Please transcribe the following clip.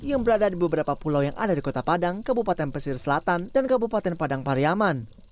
yang berada di beberapa pulau yang ada di kota padang kabupaten pesir selatan dan kabupaten padang pariaman